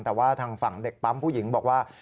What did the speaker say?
แต่ว่าทางฝั่งเด็กปั๊มผู้หญิงบอกว่า